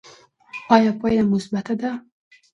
ایا پایله مثبته ده؟